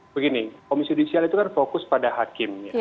begini komisi judisial itu kan fokus pada hakim